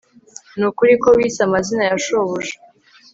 Nukuri ko wise amazina ya shobuja